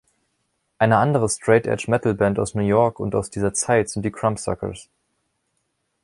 Eine andere Straight Edge Metalband aus New York und aus dieser Zeit sind die Crumbsuckers.